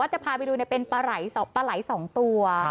จะพาไปดูเป็นปลาไหล๒ตัว